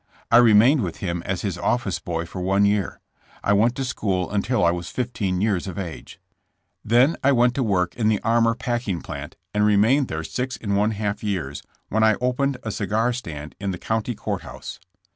I remained with him as his office boy for one year. I went to school until I was fifteen years of age. Then I went to work in the Armour packing plant, and remained there six 110 JESSK JAMES. and one half years, when I opened a cigar stand in the county court house.